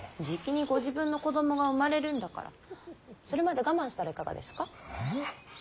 じきにご自分の子供が生まれるんだからそれまで我慢したらいかがですか。